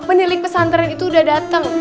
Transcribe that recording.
penilik pesantren itu udah datang